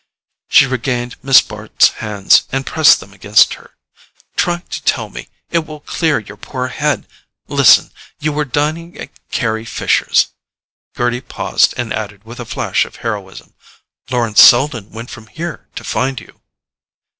She regained Miss Bart's hands, and pressed them against her. "Try to tell me—it will clear your poor head. Listen—you were dining at Carry Fisher's." Gerty paused and added with a flash of heroism: "Lawrence Selden went from here to find you."